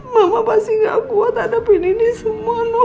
mama pasti gak kuat atapin ini semua nuh